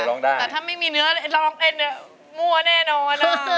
ร้องได้แต่ถ้าไม่มีเนื้อร้องเต้นเนี่ยมั่วแน่นอน